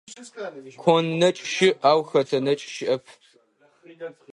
Кон нэкӀ щыӀ, ау хэтэ нэкӀ щыӀэп.